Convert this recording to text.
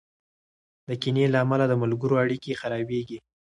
د کینې له امله د ملګرو اړیکې خرابېږي.